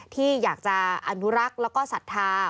ที่อยากจะอนุรักษ์และก็ศัตริย์ภาคม